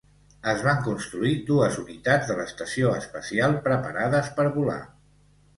Es van construir dues unitats de l'estació espacial preparades per volar.